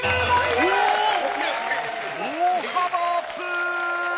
大幅アップ！